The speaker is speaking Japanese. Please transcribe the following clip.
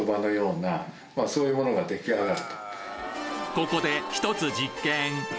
ここでひとつ実験！